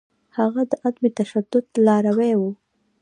هغه د عدم تشدد لاروی و.